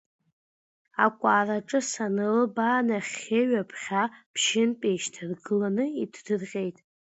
Акәараҿы санылбаа, нахьхьи, ҩаԥхьа ԥшьынтә еишьҭаргыланы иҭдырҟьеит.